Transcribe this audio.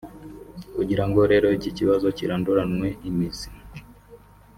Kugira ngo rero iki kibazo kiranduranwe imizi